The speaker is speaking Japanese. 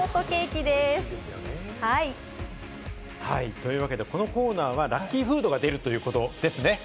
というわけで、このコーナーはラッキーフードが出るっていうことですね。